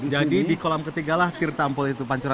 jadi di kolam ketigalah tir tampul itu ada